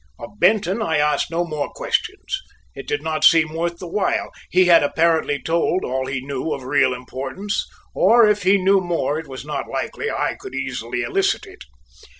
Of Benton I asked no more questions; it did not seem worth the while. He had apparently told all he knew of real importance or if he knew more it was not likely I could easily elicit it.